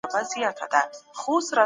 زکات ورکول د مسلمان صفت دی.